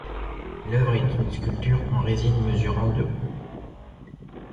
L'œuvre est une sculpture en résine mesurant de haut.